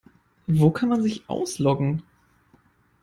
Wo kann man sich ausloggen?